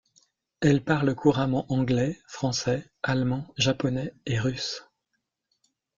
Elle parle couramment anglais, français, allemand, japonais et russe.